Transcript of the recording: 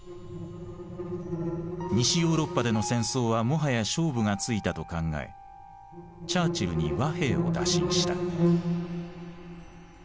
西ヨーロッパでの戦争はもはや勝負がついたと考えチャーチルに和平を打診した。